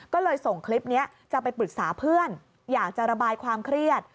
ก็เลยส่งคลิปนี้จะไปปรึกษาเพื่อนอยากจะระบายความเครียด